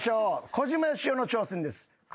小島よしおの挑戦です。ＯＫ。